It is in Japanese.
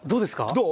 どう？